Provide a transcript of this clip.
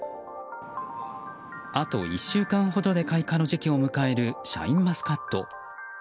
あと１週間ほどで開花の時期を迎えるシャインマスカット。